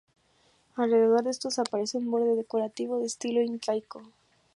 Alrededor de estos aparece un borde decorativo de estilo incaico.